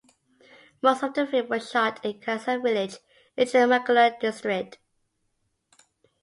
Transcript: Most of the film was shot in Kalasa village in Chikmagalur district.